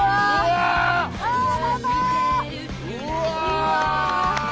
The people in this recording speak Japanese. うわ！